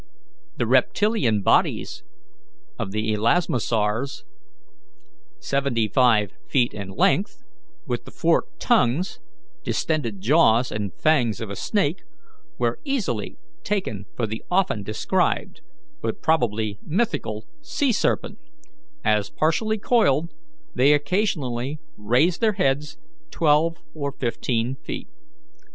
The reptilian bodies of the elasmosaurs, seventy five feet in length, with the forked tongues, distended jaws and fangs of a snake, were easily taken for the often described but probably mythical sea serpent, as partially coiled they occasionally raised their heads twelve or fifteen feet.